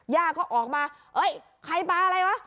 ย่าก็ออกมาเอ้ยใครปลาอะไรวะ